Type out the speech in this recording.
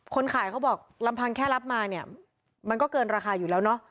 คนขายเขาบอกลำพังแค่รับมาเนี่ยมันก็เกินราคาอยู่แล้วเนอะ